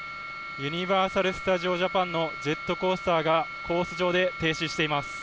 ユニバーサル・スタジオ・ジャパンのジェットコースターがコース上で停止しています。